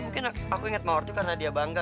mungkin aku ingat mawar itu karena dia bangga